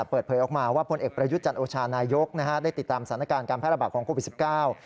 เปิดเผยออกมาว่าพลเอกประยุทธ์จันทร์โอชานายกนะฮะได้ติดตามสถานการณ์การแพร่ระบาดของโควิดสิบเก้า